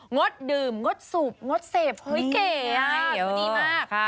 งดดื่มงดสูบงดเสพเฮ้ยเก๋ดีมาก